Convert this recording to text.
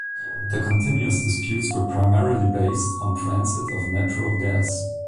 The continuous disputes were primarily based on transit of natural gas.